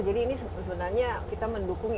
jadi ini sebenarnya kita mendukung